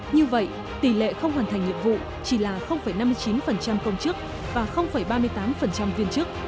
như vậy tỷ lệ không hoàn thành nhiệm vụ chỉ là năm mươi chín công chức và ba mươi tám viên chức